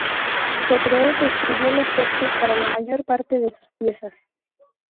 Se cree que escribió los textos para la mayor parte de sus piezas.